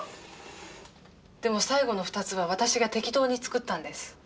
⁉でも最後の２つは私が適当に作ったんです。